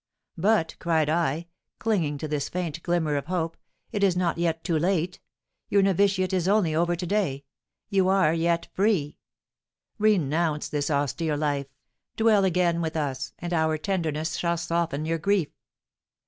"But," cried I, clinging to this faint glimmer of hope, "it is not yet too late; your novitiate is only over to day; you are yet free. Renounce this austere life, dwell again with us, and our tenderness shall soften your grief."